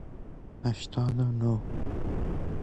هشتاد و نه